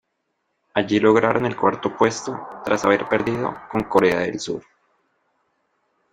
Allí lograron el cuarto puesto, tras haber perdido con Corea del Sur.